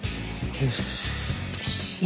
よし。